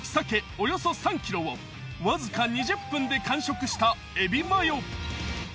およそ３ｋｇをわずか２０分で完食したえびまよ。